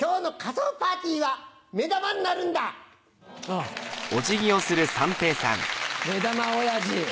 目玉おやじ。